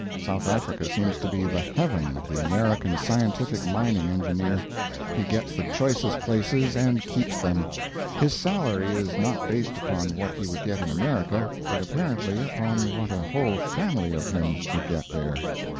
South Africa seems to be the heaven of the American scientific mining engineer. He gets the choicest places, and keeps them. His salary is not based upon what he would get in America, but apparently upon what a whole family of him would get there.